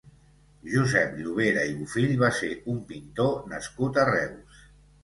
Josep Llovera i Bufill va ser un pintor nascut a Reus.